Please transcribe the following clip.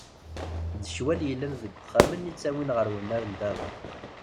D ccwal yellan deg yexxamen i ttawin ɣer wennar n ddabex.